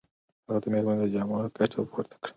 هغه د مېرمنې له جامو ګټه پورته کړه.